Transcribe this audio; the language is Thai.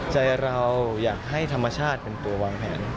ใจเราอยากให้ธรรมชาติเป็นตัววางแผน